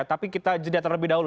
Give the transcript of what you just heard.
tapi kita jeda terlebih dahulu